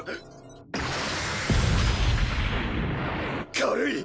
軽い！